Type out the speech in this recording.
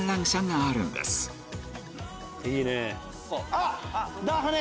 あっ！